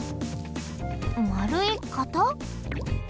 まるい型？